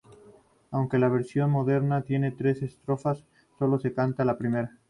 Aunque la versión moderna tiene tres estrofas, sólo se canta la primera.